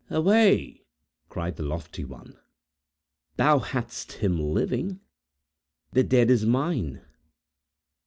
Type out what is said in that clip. "Away!" cried the lofty one. "Thou hadst him living! The dead is mine!"